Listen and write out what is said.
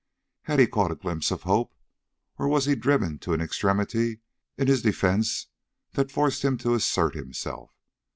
Had he caught a glimpse of hope, or was he driven to an extremity in his defence that forced him to assert himself?